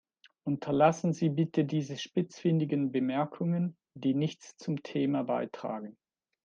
Unterlassen Sie bitte diese spitzfindigen Bemerkungen, die nichts zum Thema beitragen.